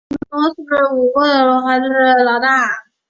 鲁伯特是家里五个孩子中的老大。